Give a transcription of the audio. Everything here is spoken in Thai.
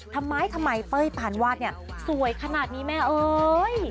ทำไมทำไมเป้ยปานวาดเนี่ยสวยขนาดนี้แม่เอ้ย